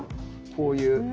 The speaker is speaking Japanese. こういう。